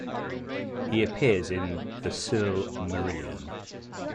He appears in "The Silmarillion".